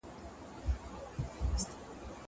انځور د زده کوونکي له خوا کتل کيږي.